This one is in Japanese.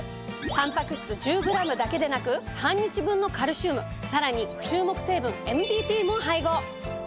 たんぱく質１０ｇだけでなく半日分のカルシウムさらに注目成分ＭＢＰも配合。